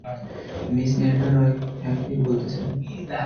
Miss Nayna Roy হ্যাঁঁ কে বলতেছেন?